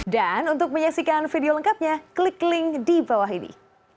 dan untuk menyaksikan video lengkapnya klik link di bawah ini